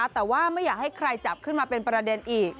แต่ว่าไม่อยากให้ใครจับขึ้นมาเป็นประเด็นอีก